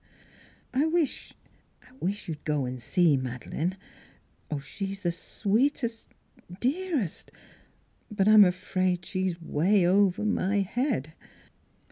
" I wish you I wish you'd go an' see Made leine. She's the sweetest, dearest but I'm afraid she's way over my head."